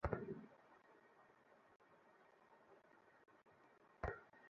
তারপর পুরো শহরের সবাইকেই টিকটিকি বানিয়ে ফেলতে চেয়েছিল।